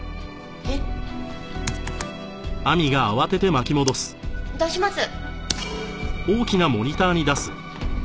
えっ？出します。